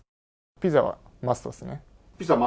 ピザマストです。